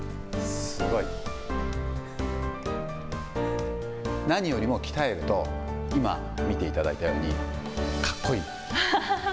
すごい。何よりも鍛えると、今、見ていただいたように、かっこいい。